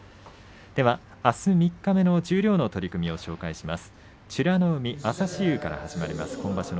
あす三日目の十両の取組を紹介します。